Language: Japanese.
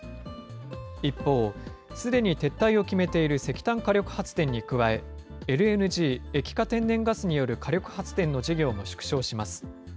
一方、すでに撤退を決めている石炭火力発電に加え、ＬＮＧ・液化天然ガスによる火力発電の事業も縮小します。